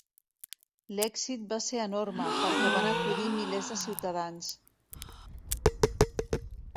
L'èxit va ser enorme, perquè van acudir milers de ciutadans.